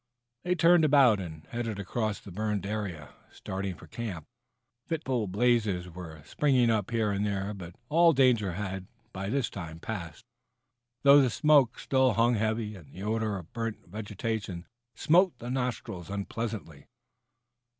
They turned about, and, heading across the burned area, started for camp. Fitful blazes were springing up here and there, but all danger had, by this time, passed, though the smoke still hung heavy and the odor of burned vegetation smote the nostrils unpleasantly.